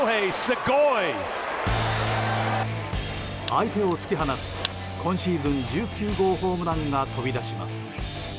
相手を突き放す今シーズン１９号ホームランが飛び出します。